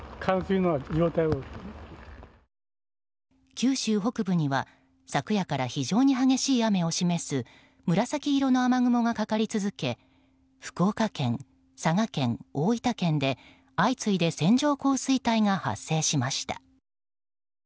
九州北部には、昨夜から非常に激しい雨を示す紫色の雨雲がかかり続け福岡県、佐賀県、大分県で相次いで線状降水帯が発生しました。